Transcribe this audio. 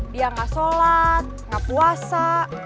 dia gak sholat gak puasa